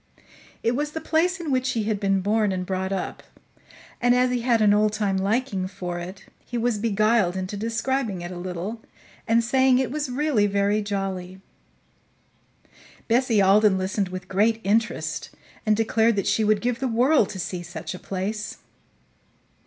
It was the place in which he had been born and brought up, and, as he had an old time liking for it, he was beguiled into describing it a little and saying it was really very jolly. Bessie Alden listened with great interest and declared that she would give the world to see such a place.